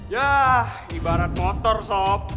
yah ibarat motor sob